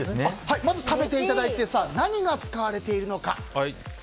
まず食べていただいて何が使われているか。